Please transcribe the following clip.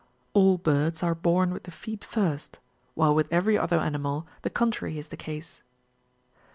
All birds are born with the feet first, while with every other animal the contrary is the case.